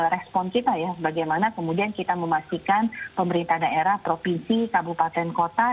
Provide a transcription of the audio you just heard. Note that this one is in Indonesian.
respon kita ya bagaimana kemudian kita memastikan pemerintah daerah provinsi kabupaten kota